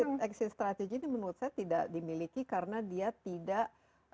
itu exit strategy ini menurut saya tidak dimiliki karena dia tidak